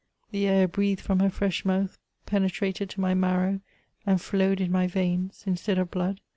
The air breathed from her fresh mouth penetrated to my marrow, and flowed in my veins, instead of blood.